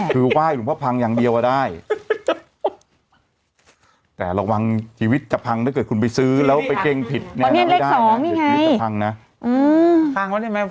ค้างมาได้ไหมค้างเลยมันเห็นไหม